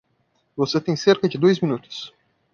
Você tem cerca de dois minutos.